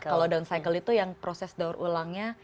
kalau downcycle itu yang proses door ulangnya